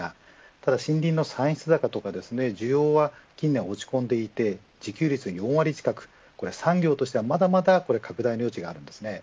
ただ森林の産出高や需要は近年、落ち込んでいて自給率は４割近く産業としては、まだまだ拡大の余地があります。